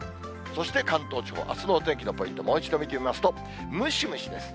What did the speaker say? そして関東地方、あすの天気のポイント、もう一度見てみますと、ムシムシです。